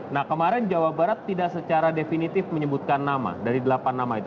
nah kemarin jawa barat tidak secara definitif menyebutkan nama dari delapan nama itu